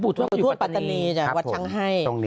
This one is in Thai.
พูดพูดปัตตานีจ้ะวัดช้างให้